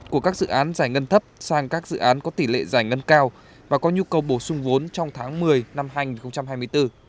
của các dự án giải ngân thấp sang các dự án có tỷ lệ giải ngân cao và có nhu cầu bổ sung vốn trong tháng một mươi năm hai nghìn hai mươi bốn